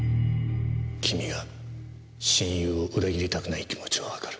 君が親友を裏切りたくない気持ちはわかる。